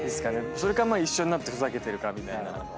それか一緒になってふざけてるかみたいな感じ。